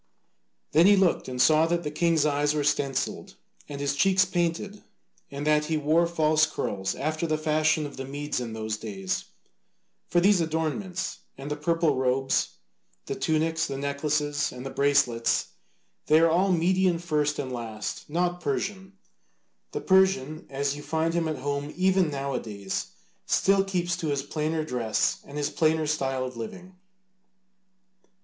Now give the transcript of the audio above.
Then he looked closer and saw that the king's eyes were stencilled and his cheeks painted, and that he wore false curls after the fashion of the Medes in those days (for these adornments, and the purple robes, the tunics, the necklaces, and the bracelets, they are all Median first and last, not Persian; the Persian, as you find him at home even now a days, still keeps to his plainer dress and his plainer style of living.)